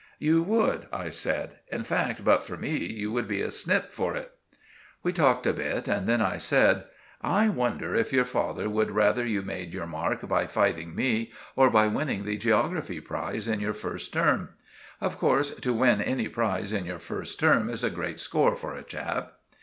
"You would," I said. "In fact, but for me you would be a snip for it." We talked a bit and then I said— "I wonder if your father would rather you made your mark by fighting me, or by winning the geography prize in your first term? Of course, to win any prize in your first term is a great score for a chap."